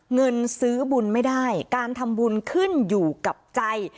เงินซื้อบุญไม่ได้การทำบุญขึ้นอยู่กับใจ